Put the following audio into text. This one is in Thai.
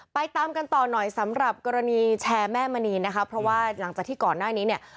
ตามกันต่อหน่อยสำหรับกรณีแชร์แม่มณีนะคะเพราะว่าหลังจากที่ก่อนหน้านี้เนี่ย